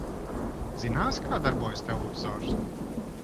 Zināsi, kā darbojas televizors?